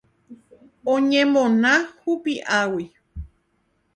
Oñemoña hupi'águi.